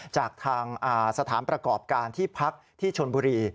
จากทางสถานประกอบการที่พักที่ชนบุรี